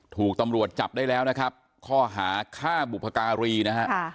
ถูกตำรวจจับได้แล้วนะครับข้อหาฆ่าบุพการีนะฮะ